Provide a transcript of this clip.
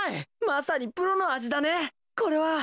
まさにプロのあじだねこれは！